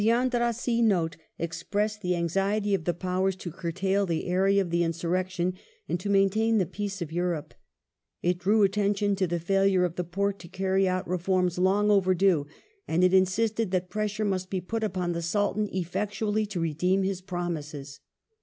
454 THE NEW TORYISM [1874 TheAn The Andrassy Note expressed the anxiety of the Powers to Note^ cui'tail the area of the insurrection, and to maintain the peace of Europe ; it drew attention to the failure of the Porte to carry out reforms long overdue, and it insisted that pressure must be put upon the Sultan effectually to redeem his promises.